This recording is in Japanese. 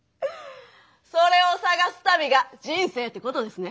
それを探す旅が人生ってことですね？